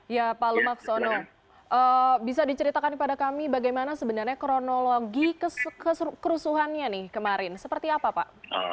ya pak lumaksono bisa diceritakan kepada kami bagaimana sebenarnya kronologi kerusuhannya nih kemarin seperti apa pak